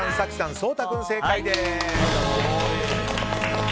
颯太君、正解です。